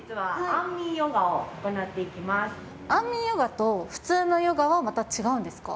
安眠ヨガと普通のヨガは、また違うんですか？